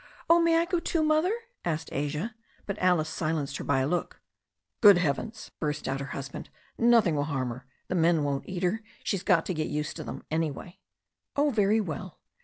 "Oh, may I go too, Mother?" asked Asia. But Alice silenced her by a look. "Good heavens!" burst out her husband. "Nothing will harm her. The men won't eat her. She's got to get used to them, an3rway." "Oh, very well."